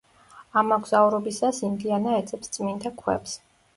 ამ მოგზაურობისას ინდიანა ეძებს წმინდა ქვებს.